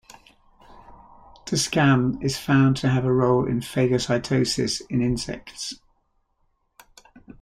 Dscam is found to have a role in phagocytosis in insects.